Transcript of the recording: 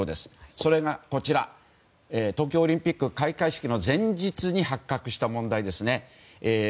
それが東京オリンピック開会式の前日に発覚した問題ですね。